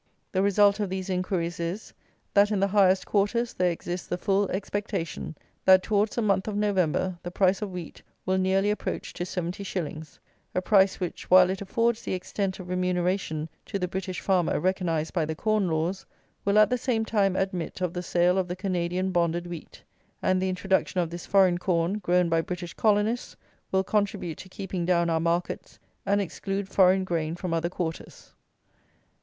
The result of these inquiries is, that in the highest quarters there exists the full expectation, that towards the month of November, the price of wheat will nearly approach to seventy shillings, a price which, while it affords the extent of remuneration to the British farmer recognized by the corn laws, will at the same time admit of the sale of the Canadian bonded wheat; and the introduction of this foreign corn, grown by British colonists, will contribute to keeping down our markets, and exclude foreign grain from other quarters."